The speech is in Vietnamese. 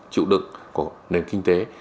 chịu đựng của nền kinh tế